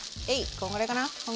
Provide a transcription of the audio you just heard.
こんぐらいかな？